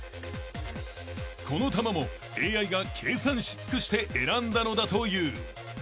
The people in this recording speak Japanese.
［この球もＡＩが計算し尽くして選んだのだという］